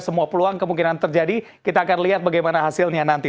semua peluang kemungkinan terjadi kita akan lihat bagaimana hasilnya nanti